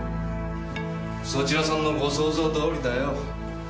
そちらさんのご想像どおりだよ。